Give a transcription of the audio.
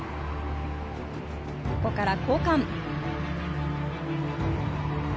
ここから交換。